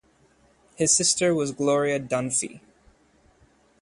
His sister was Gloria Dunphy.